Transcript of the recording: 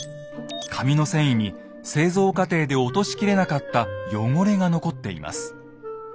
紙の繊維に製造過程で落としきれなかった汚れが残っています。